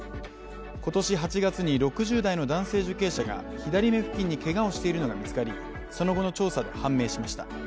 今年８月に６０代の男性受刑者が左目付近にけがをしているのが見つかり、その後の調査で判明しました。